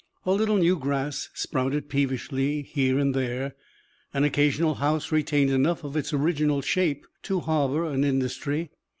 A little new grass sprouted peevishly here and there; an occasional house retained enough of its original shape to harbour an industry.